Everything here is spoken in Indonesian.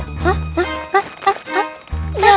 hah hah hah hah